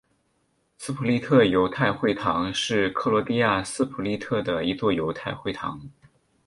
斯普利特犹太会堂是克罗地亚斯普利特的一座犹太会堂。